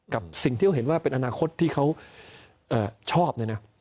กับสิ่งที่เขาเห็นว่าเป็นอนาคตที่เขาชอบเนี่ยนะ